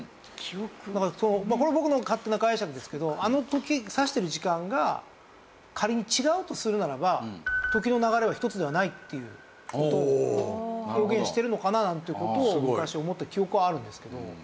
だからこれ僕の勝手な解釈ですけどあの時計指してる時間が仮に違うとするならば時の流れは一つではないっていう事を表現してるのかななんていう事を昔思った記憶はあるんですけど。